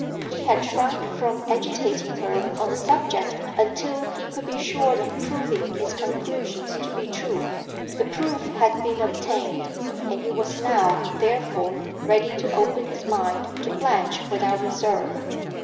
He had shrunk from agitating her on the subject until he could be sure of proving his conclusions to be true. The proof had been obtained; and he was now, therefore, ready to open his mind to Blanche without reserve.